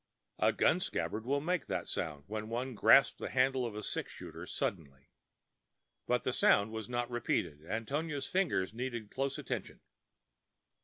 A gun scabbard will make that sound when one grasps the handle of a six shooter suddenly. But the sound was not repeated; and Tonia's fingers needed close attention.